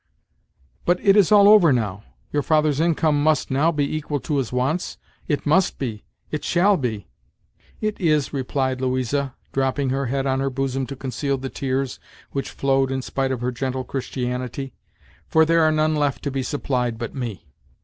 "But it is all over now! your father's income must now be equal to his wants it must be it shall be " "It is," replied Louisa, dropping her head on her bosom to conceal the tears which flowed in spite of her gentle Christianity "for there are none left to be supplied but me."